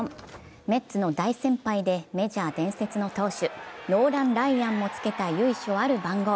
メッツの大先輩でめじゃの投手、ノーラン・ライアンもつけた由緒ある番号。